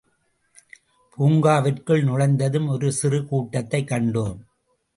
பூங்காவிற்குள் நுழைந்ததும், ஒரு சிறு கூட்டத்தைக் கண்டோம்.